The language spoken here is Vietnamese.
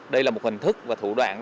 đây là một hình thức và thủ đoạn